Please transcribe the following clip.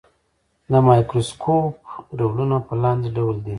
د مایکروسکوپ ډولونه په لاندې ډول دي.